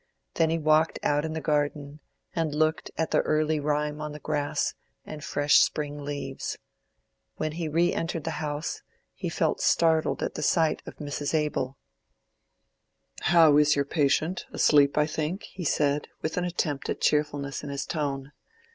Then he walked out in the garden, and looked at the early rime on the grass and fresh spring leaves. When he re entered the house, he felt startled at the sight of Mrs. Abel. "How is your patient—asleep, I think?" he said, with an attempt at cheerfulness in his tone.